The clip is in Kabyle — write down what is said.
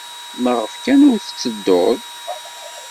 Maɣef kan ur tettedduḍ?